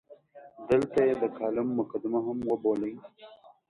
دلته یې د کالم مقدمه هم وبولئ.